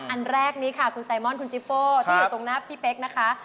อันแรกนี้ค่ะคุณไซมอนคุณจิโฟที่อยู่ตรงหน้าพี่เป๊กนะคะ